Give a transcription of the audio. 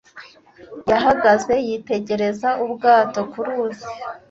Yahagaze yitegereza ubwato ku ruzi.